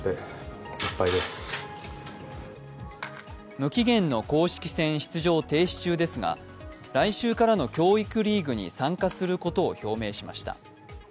無期限の公式戦出場停止中ですが来週からの教育リーグに参加することを表明しました。